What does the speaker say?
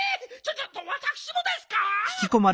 ちょっとわたくしもですか！？